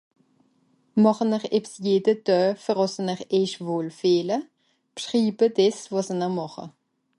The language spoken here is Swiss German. Màche-n-r ebbs jede Doe, fer àss-n-r èich wohl fìehle ? Bschriwe dìs, wàs-n-r màche.